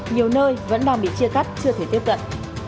nhiều nơi vẫn đang bị chia cắt chưa thể tiếp cận